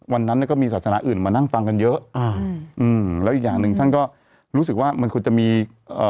วันนั้นเนี้ยก็มีศาสนาอื่นมานั่งฟังกันเยอะอ่าอืมแล้วอีกอย่างหนึ่งท่านก็รู้สึกว่ามันควรจะมีเอ่อ